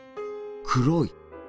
黒い。